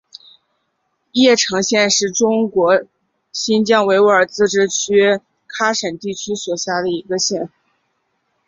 叶城县是中国新疆维吾尔自治区喀什地区所辖的一个县。